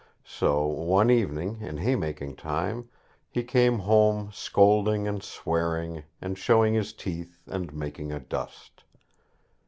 So, one evening, in hay making time, he came home, scolding and swearing, and showing his teeth and making a dust.